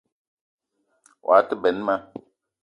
Woua te benn ma